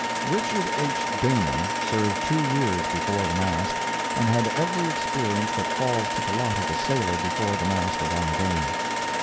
Richard H. Dana served two years before the mast, and had every experience that falls to the lot of the sailor before the mast of our day.